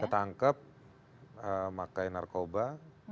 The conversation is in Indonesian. ketangkep pakai narkoba gitu